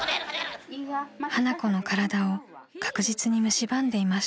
［花子の体を確実にむしばんでいました］